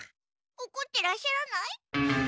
おこってらっしゃらない？